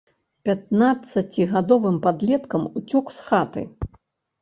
Пятнаццацігадовым падлеткам уцёк з хаты.